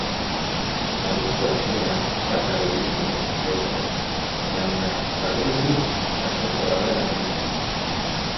Abuztu hasieran makal ibili ziren bizkaitarrak baina badirudi sasoiko daudela berriz ere.